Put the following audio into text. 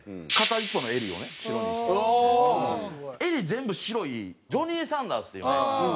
襟全部白いジョニー・サンダースっていうね。